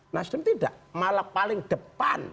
nasdem tidak malah paling depan